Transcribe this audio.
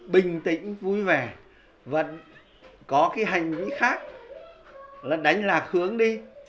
bình tĩnh vui vẻ vẫn có cái hành vi khác là đánh lạc hướng đi